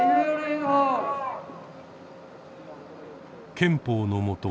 憲法のもと